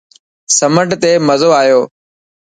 سمنڊ تي مزو آيو.